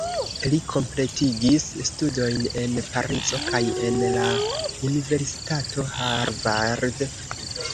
Li kompletigis studojn en Parizo kaj en la Universitato Harvard.